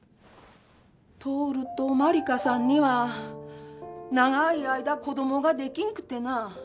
徹と茉莉花さんには長い間子供ができんくてな。